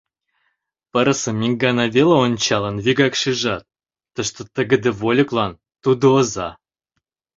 Пырысым ик гана веле ончалын, вигак шижат: тыште тыгыде «вольыклан» тудо оза!